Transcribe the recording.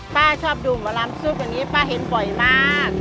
ป้าชอบดูมะลำซุปแบบนี้ป้าเห็นบ่อยมาก